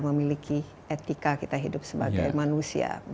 memiliki etika kita hidup sebagai manusia